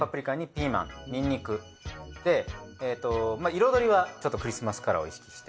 彩りはちょっとクリスマスカラーを意識して。